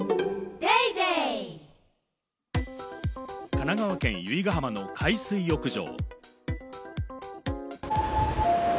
神奈川県由比ガ浜の海水浴場。